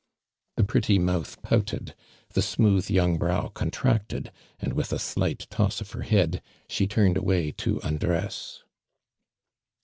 '' The pretty mouth i)outod — tlio smooth young brow contracted, and wltli a .slight toss of her head sho turned away to un dress.